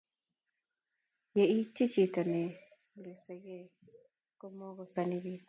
ye ichi chito ne losei gei ko mukusasin biik